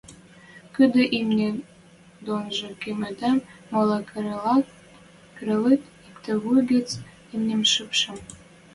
Кыды имни донжы кым эдем моло кыралыт: иктӹ вуй гӹц имним шыпшеш